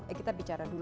eh kita bicara dulu